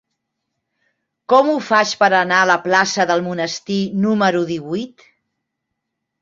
Com ho faig per anar a la plaça del Monestir número divuit?